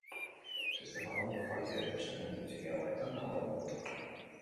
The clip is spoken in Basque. Sistema hau faila edo segmentu txikiagoetan dago banatuta.